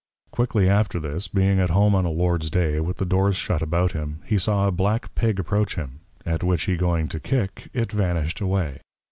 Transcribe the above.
Quickly after this, being at home on a Lords day, with the doors shut about him, he saw a black Pig approach him; at which, he going to kick, it vanished away.